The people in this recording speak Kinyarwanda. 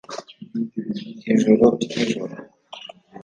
ijoro ryijoro.